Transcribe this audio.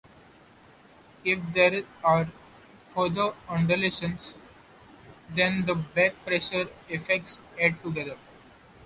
If there are further undulations, then the back pressure effects add together.